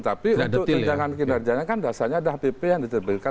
tapi untuk tunjangan kinerjanya kan dasarnya ada pp yang diterbitkan